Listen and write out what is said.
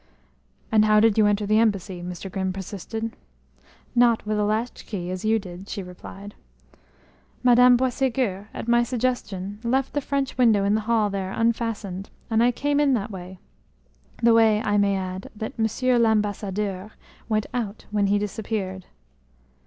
"And how did you enter the embassy?" Mr. Grimm persisted. "Not with a latch key, as you did," she replied. "Madame Boisségur, at my suggestion, left the French window in the hall there unfastened, and I came in that way the way, I may add, that Monsieur l'Ambassadeur went out when he disappeared."